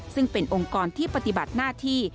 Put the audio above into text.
ซึ่งเป็นองค์กรที่ปฏิบัติหน้าที่